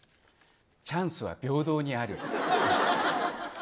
チャンスは平等にあると。